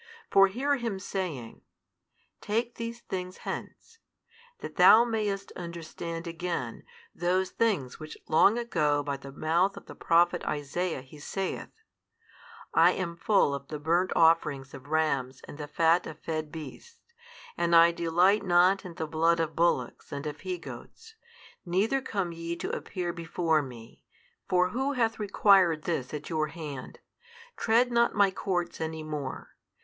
For hear Him saying, Take these things hence; that thou mayest understand again those things which long ago by |161 the mouth of the Prophet Isaiah He saith, I am full of the burnt offerings of rams and the fat of fed beasts, and I delight not in the blood of bullocks and of he goats, neither come ye to appear before Me, for who hath required this at your hand? tread not My courts any more.